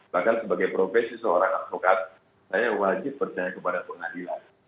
bahkan sebagai profesi seorang advokat saya wajib percaya kepada pengadilan